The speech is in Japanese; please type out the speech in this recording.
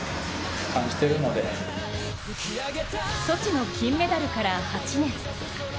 ソチの金メダルから８年。